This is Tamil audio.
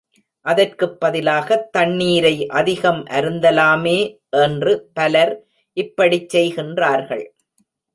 அதற்குப் பதிலாகத் தண்ணீரை அதிகம் அருந்தலாமே என்று பலர் இப்படிச் செய்கின்றார்கள்.